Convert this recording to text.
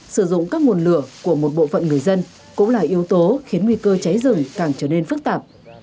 sử dụng các nguồn lửa của một bộ phận người dân cũng là yếu tố khiến nguy cơ cháy rừng càng trở nên phức tạp